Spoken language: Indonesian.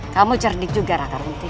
kamu cerdik juga rackanuk t suka